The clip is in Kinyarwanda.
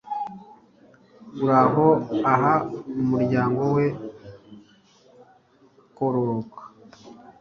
Uhoraho aha umuryango we kororoka